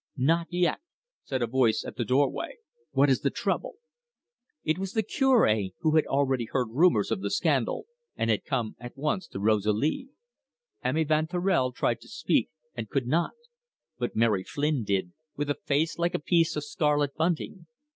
"Not yet!" said a voice at the doorway. "What is the trouble?" It was the Cure, who had already heard rumours of the scandal, and had come at once to Rosalie. M. Evanturel tried to speak, and could not. But Mary Flynn did, with a face like a piece of scarlet bunting.